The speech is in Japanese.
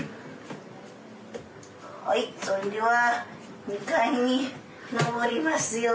はいそれでは２階に上りますよ。